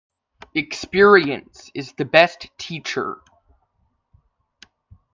Experience is the best teacher.